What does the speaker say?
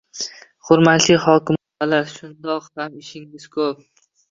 Hurmatli hokimbuvalar, shundoq ham ishingiz ko‘p